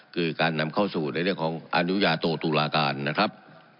คือการนำเข้าสู่ในเรื่องของอนุญาโตตุลาการนะครับ